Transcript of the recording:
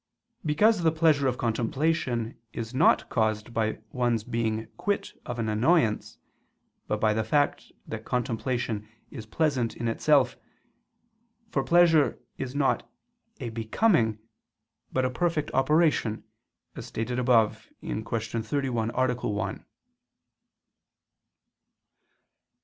Because the pleasure of contemplation is not caused by one's being quit of an annoyance, but by the fact that contemplation is pleasant in itself: for pleasure is not a "becoming" but a perfect operation, as stated above (Q. 31, A. 1).